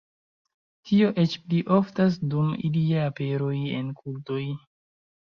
Tio eĉ pli oftas dum ilia aperoj en kultoj.